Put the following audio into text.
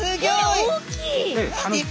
大きい！